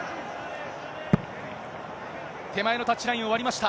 手前のタッチラインを割りました。